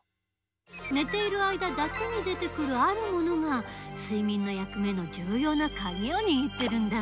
寝ている間だけに出てくるあるものが睡眠の役目のじゅうようなカギをにぎってるんだ。